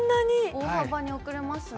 大幅に遅れますね。